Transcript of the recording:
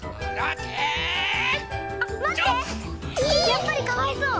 やっぱりかわいそう。